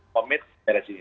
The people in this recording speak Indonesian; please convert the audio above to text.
komit dari sini